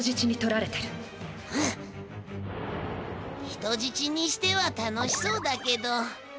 人じちにしては楽しそうだけど。